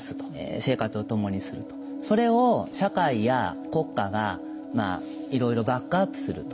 それを社会や国家がいろいろバックアップすると。